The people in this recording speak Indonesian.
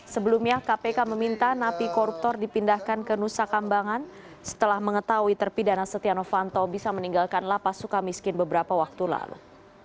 sebelumnya kpk meminta napi koruptor dipindahkan ke nusa kambangan setelah mengetahui terpidana setia novanto bisa meninggalkan lapas suka miskin beberapa waktu lalu